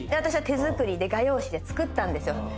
私は手作りで画用紙で作ったんですよ